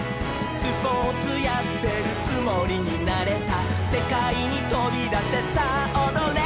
「スポーツやってるつもりになれた」「せかいにとびだせさあおどれ」